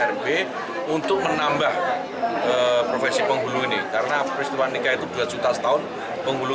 rb untuk menambah profesi penghulu ini karena peristiwa nikah itu dua juta setahun penghulu